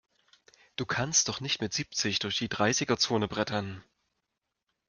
Du kannst doch nicht mit siebzig durch die Dreißiger-Zone brettern!